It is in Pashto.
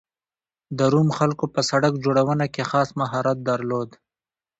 د روم خلکو په سړک جوړونه کې خاص مهارت درلود